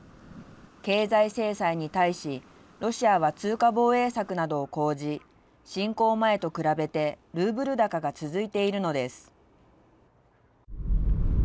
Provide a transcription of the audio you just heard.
経済制裁に対し、ロシアは通貨防衛策などを講じ侵攻前と比べてルーブル高が続いているのです。